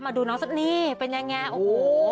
มาดูน้องสโน่นี่เป็นอย่างไรโอ้โฮ